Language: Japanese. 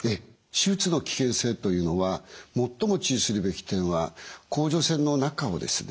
手術の危険性というのは最も注意するべき点は甲状腺の中をですね